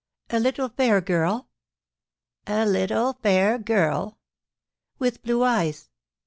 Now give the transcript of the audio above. "A little fair girl?" "A little fair girl." "With blue eyes?"